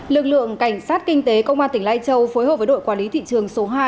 lực lượng cảnh sát kinh tế công an tỉnh lai châu phối hợp với đội quản lý thị trường số hai